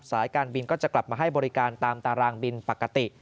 สายการบินก็จะกลับมาให้บริการตามตารางบินปกติ